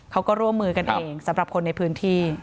เขาก็ร่วมมือกันเองสำหรับคนในพื้นที่